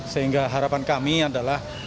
sehingga harapan kami adalah